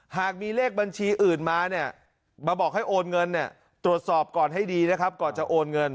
หากมีเลขบัญชีอื่นมาเนี่ยมาบอกให้โอนเงินเนี่ยตรวจสอบก่อนให้ดีนะครับก่อนจะโอนเงิน